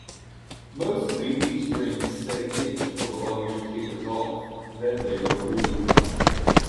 Mostly these drains stay in until the volume tapers off, then they are removed.